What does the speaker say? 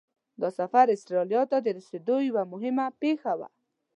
دا سفر استرالیا ته د رسېدو یوه مهمه پیښه وه.